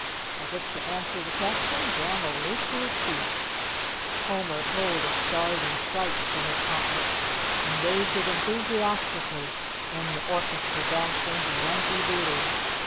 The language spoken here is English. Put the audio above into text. As if to answer the question, Dan'l leaped to his feet. Homer pulled a Stars and Stripes from his pocket, and waved it enthusiastically; then the orchestra dashed into "Yankee Doodle."